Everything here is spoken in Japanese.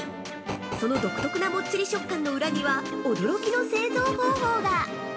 その独特なもっちり食感の裏には、驚きの製造方法が！？